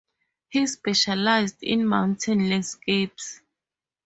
He specialized in mountain landscapes.